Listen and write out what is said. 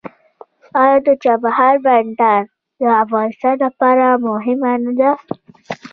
آیا د چابهار بندر د افغانستان لپاره مهم نه دی؟